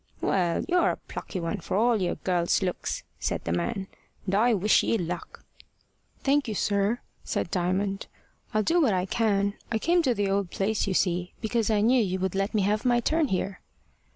"Well, you're a plucky one, for all your girl's looks!" said the man; "and I wish ye luck." "Thank you, sir," said Diamond. "I'll do what I can. I came to the old place, you see, because I knew you would let me have my turn here."